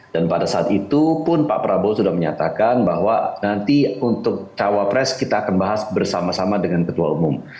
dan pada saat itu pun pak prabowo sudah menyatakan bahwa nanti untuk coapres kita akan bahas bersama sama dengan ketua umum